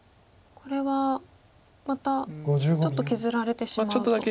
これはまたちょっと削られてしまうと。